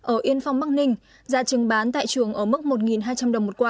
ở yên phong bắc ninh giá trứng bán tại chuồng ở mức một hai trăm linh đồng một quả